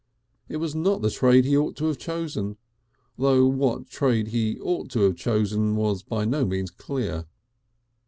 It was not the trade he ought to have chosen, though what trade he ought to have chosen was by no means clear.